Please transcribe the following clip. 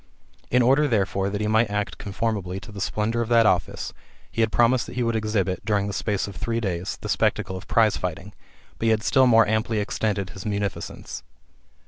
In order, therefore, that he might act conformably to the splendour of that office, he had promised that he would exhibit, during the space of three days, the spectacle of prize fighting ; but he had still more amply extended his munificence.